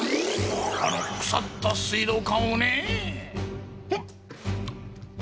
あの腐った水道管をねえ。